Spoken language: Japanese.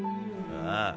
ああ。